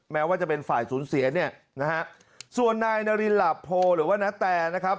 แม้ว่าจะเป็นฝ่ายสูญเสียเนี่ยนะฮะส่วนนายนารินหลาโพหรือว่านาแตนะครับ